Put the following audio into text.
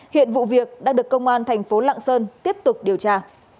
hiện vụ việc đang được công an thành phố lạng sơn tiếp tục điều tra